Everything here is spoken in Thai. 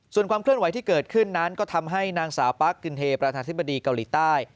ส่วนความเคลื่อนไหวที่เกิดขึ้นนั้นก็ทำให้นางสาวปั๊กกึนเทประธานธิบดีเกาหลีใต้